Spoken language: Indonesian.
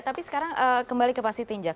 tapi sekarang kembali ke pak siti njak